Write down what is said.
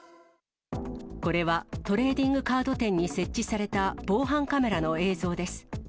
これはトレーディングカード店に設置された防犯カメラの映像です。